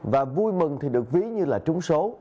và vui mừng thì được ví như là trúng số